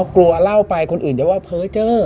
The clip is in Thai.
กลัวเล่าไปคนอื่นจะว่าเพ้อเจอ